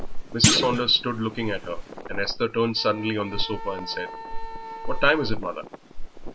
Mrs. Saunders stood looking at her, and Esther turned suddenly on the sofa and said "What time is it, mother?"